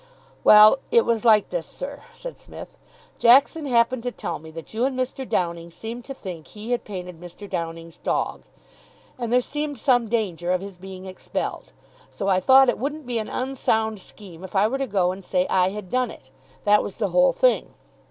"Well, it was like this, sir," said Psmith. "Jackson happened to tell me that you and Mr. Downing seemed to think he had painted Mr. Downing's dog, and there seemed some danger of his being expelled, so I thought it wouldn't be an unsound scheme if I were to go and say I had done it. That was the whole thing.